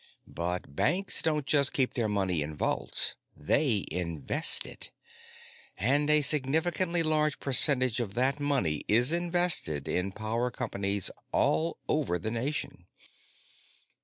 "But banks don't just keep their money in vaults; they invest it. And a significantly large percentage of that money is invested in power companies all over the nation.